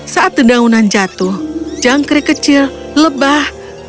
saat dendaunan jatuh jangkri kecil lebah dan juga daun merah